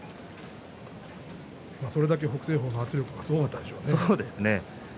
それだけ北青鵬の圧力がすごかったんですね。